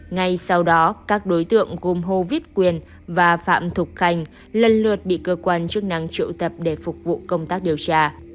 ngay sau đó các đối tượng gồm hồ viết quyền và phạm thục khanh lần lượt bị cơ quan chức năng triệu tập để phục vụ công tác điều tra